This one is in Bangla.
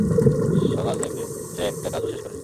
সকাল থেকে সে একটা কাজও শেষ করেনি।